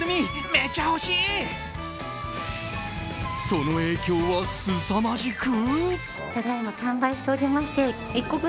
その影響は、すさまじく。